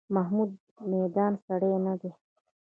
محمود د میدان سړی نه دی.